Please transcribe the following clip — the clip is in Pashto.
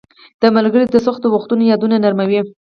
• ملګري د سختو وختونو یادونه نرموي.